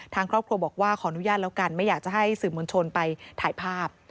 ทางครอบครัวบอกว่าขออนุญาตแล้วกันไม่อยากจะให้สื่อมวลชนไปถ่ายภาพ